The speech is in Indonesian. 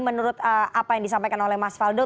menurut apa yang disampaikan oleh mas faldo